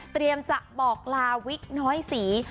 เตรียมจะบอกลาวิกน้อยสี